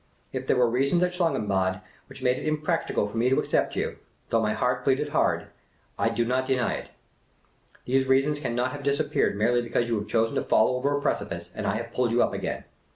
If there were reasons at Schlangenbad which made it impracticable for me to accept you — though my heart pleaded hard — I do not deny it — those reasons can not have disappeared merely because you have chosen to fall over a precipice, and I have pulled you up again.